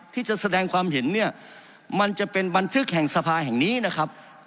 ที่จะแสดงความเห็นเนี่ยมันจะเป็นบันทึกแห่งสภาแห่งนี้นะครับ